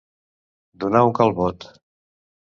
Donar un calbot.